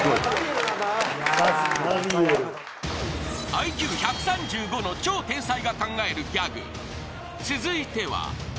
［ＩＱ１３５の超天才が考えるギャグ］